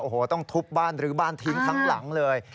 โอ้โหต้องทุบบ้านรื้อบ้านทิ้งทั้งหลังเลย